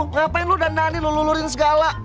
ngapain lu tandani lu lulurin segala